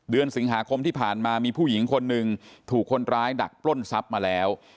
เดือนสิงหาคมที่ผ่านมามีผู้หญิงคนหนึ่งถูกคนร้ายดักปล้นทรัพย์มาแล้ว